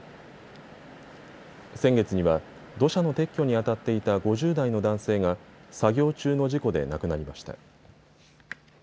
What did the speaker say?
先月には土砂の撤去にあたっていた５０代の男性が作業中の事故で亡くなりました。